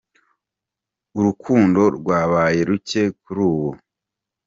Urikundo rwabaye ruke kuri ubu.